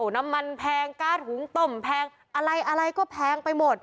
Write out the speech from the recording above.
น้ำมันแพงก๊าซหุงต้มแพงอะไรอะไรก็แพงไปหมด